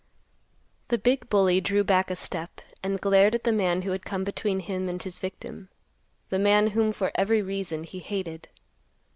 The big bully drew back a step, and glared at the man who had come between him and his victim; the man whom, for every reason, he hated.